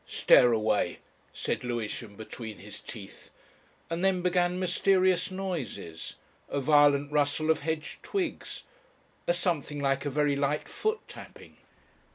"Stare away," said Lewisham between his teeth. And then began mysterious noises, a violent rustle of hedge twigs, a something like a very light foot tapping.